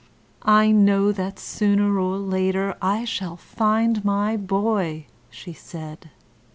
'I know that sooner or later I shall find my boy,' she said.